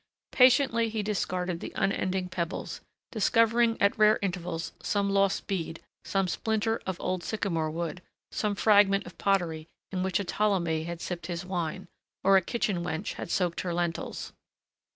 Patiently he discarded the unending pebbles, discovering at rare intervals some lost bead, some splinter of old sycamore wood, some fragment of pottery in which a Ptolemy had sipped his wine or a kitchen wench had soaked her lentils.